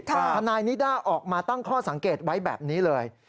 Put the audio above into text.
ทนายนิด้าออกมาตั้งข้อสังเกตไว้แบบนี้เลย